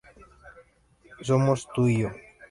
Somos tú y yo.